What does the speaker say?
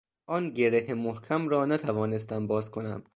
آن گره محکم را نتوانستم باز کنم